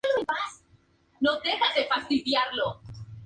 El volante peruano comenzó con pie derecho su travesía por el fútbol argentino.